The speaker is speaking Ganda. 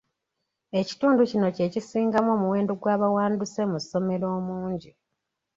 Ekitundu kino kye kisingamu omuwendo gw'abawanduse mu ssomero omungi.